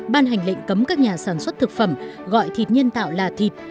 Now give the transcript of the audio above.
ban hành lệnh cấm các nhà sản xuất thực phẩm gọi thịt nhân tạo là thịt